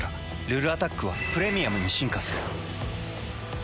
「ルルアタック」は「プレミアム」に進化する。